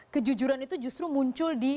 kejujuran itu justru muncul di